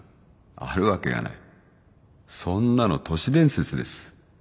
あるわけがない」「そんなの都市伝説です」